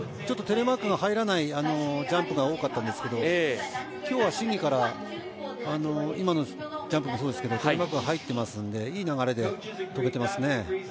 ちょっとテレマークが入らないジャンプが多かったんですけど今日は試技から今のジャンプもそうですけどテレマークが入ってますのでいい流れで止めていますね。